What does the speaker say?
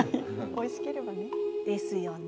おいしければね。